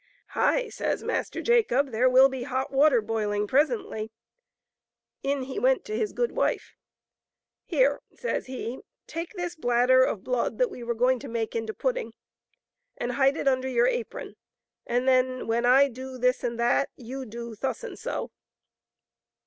" Hi!" says Master Jacob, "there will be hot water boiling presently." In he went to his good wife. " Here," says he, " take this bladder of blood that we were going to make into pudding, and hide it under your apron, and then when I do this and that, you do thus and so."